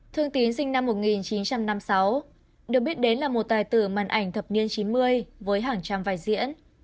thương tín sinh năm một nghìn chín trăm năm mươi sáu được biết đến là một tài tử màn ảnh thập niên chín mươi với hàng trăm vai diễn